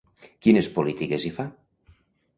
Quines polítiques hi fa?